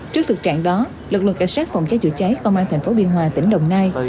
trước thực trạng đó lực lượng cảnh sát phòng cháy chữa cháy công an thành phố biên hòa tỉnh đồng nai